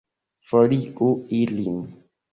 Forigu ilin!